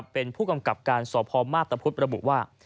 เป็นผู้กำกับการสพมาพตะพุทธระบุว่า